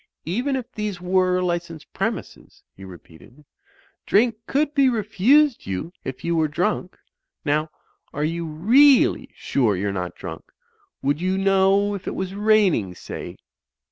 "Even if these were licensed premises," he repeated, "drink could be refused you if you were drunk. Now, are you really sure you're not drunk. Would you know if it was raining, say?"